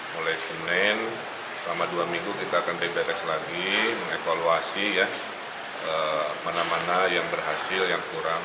mulai senin selama dua minggu kita akan bebas lagi mengevaluasi ya mana mana yang berhasil yang kurang